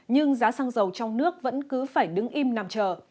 nhưng giá xăng dầu trong nước vẫn cứ phải đứng im nằm chờ